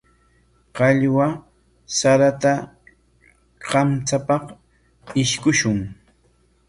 Qallwa sarata kamchapaq ishkushun.